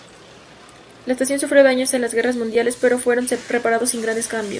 La estación sufrió daños en las guerras mundiales, pero fueron reparados sin grandes cambios.